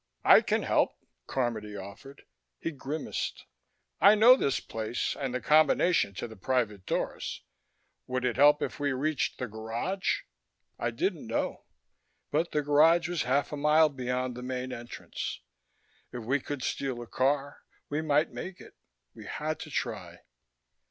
"I can help," Carmody offered. He grimaced. "I know this place and the combination to the private doors. Would it help if we reached the garage?" I didn't know, but the garage was half a mile beyond the main entrance. If we could steal a car, we might make it. We had to try.